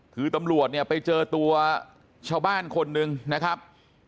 คือตำรวจเนี่ยไปเจอตัวชาวบ้านคนหนึ่งนะครับ